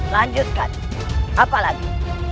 lanjutkan apa lagi